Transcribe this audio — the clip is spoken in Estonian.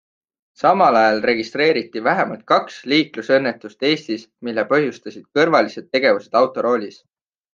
Samal ajal registreeriti vähemalt kaks liiklusõnnetust Eestis, mille põhjustasid kõrvalised tegevused autoroolis.